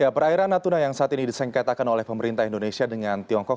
perairan natuna yang saat ini disengketakan oleh pemerintah indonesia dengan tiongkok